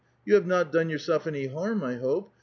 You have not done yourself any harm, I hope?